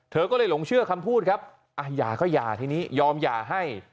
เธอก็เลยหลงเชื่อคำพูดครับหย่าก็หย่าทีนี้ยอมหย่าให้